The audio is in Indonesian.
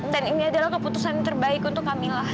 dan ini adalah keputusan yang terbaik untuk kak mila